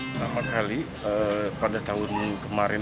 pertama kali pada tahun kemarin